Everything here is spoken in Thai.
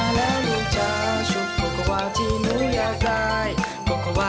เตรียมตัวครับ